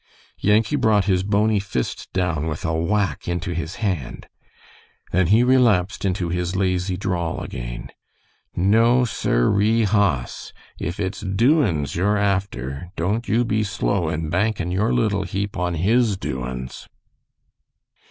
Yankee brought his bony fist down with a whack into his hand. Then he relapsed into his lazy drawl again: "No, siree, hoss! If it's doin's you're after, don't you be slow in bankin' your little heap on HIS doin's."